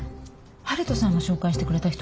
悠人さんが紹介してくれた人？